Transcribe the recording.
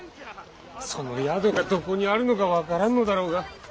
その宿がどこにあるのか分からんのだろうが。